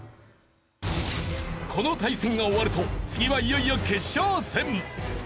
この対戦が終わると次はいよいよ決勝戦！